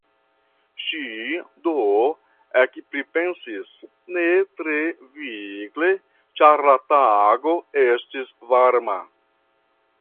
Ŝi do ekpripensis ne tre vigle ĉar la tago estis varma.